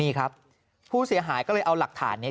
นี่ครับผู้เสียหายก็เลยเอาหลักฐานนี้